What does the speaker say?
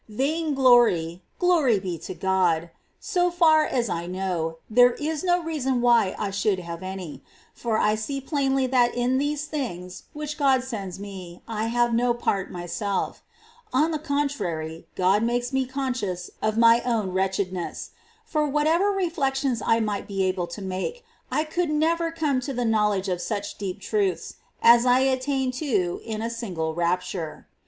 18. Vain gloryi — glory be to God !— so far as I •^°*^ Vain glory. know, there is no reason why I should have any ; for I see plainly that in these things which God sends me I have no part myself: on the contrary, God makes me con scious of my own wretchedness ; for whatever reflections I might be able to make, I could never come to the knowledge of such deep truths as I attain to in a single rapture.